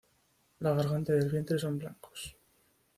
La garganta y el vientre son blancos.